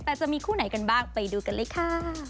แต่จะมีคู่ไหนกันบ้างไปดูกันเลยค่ะ